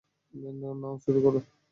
নাও শুরু করো।